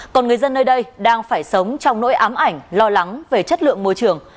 còn người dân nơi đây đang phải sống trong nỗi ám ảnh lo lắng về chất lượng môi trường